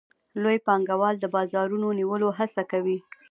لوی پانګوال د بازارونو د نیولو هڅه کوي